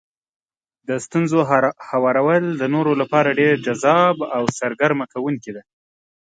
د ستونزو هوارول د نورو لپاره ډېر جذاب او سرګرمه کوونکي وي.